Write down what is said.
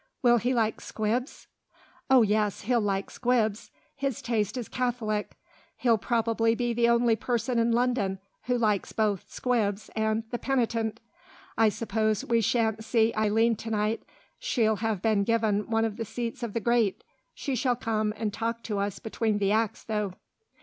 "Will he like 'Squibs'?" "Oh, yes, he'll like 'Squibs.' His taste is catholic; he'll probably be the only person in London who likes both 'Squibs' and 'The Penitent.' ... I suppose we shan't see Eileen to night; she'll have been given one of the seats of the great. She shall come and talk to us between the acts, though."